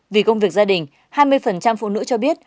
vì công việc gia đình hai mươi phụ nữ cho biết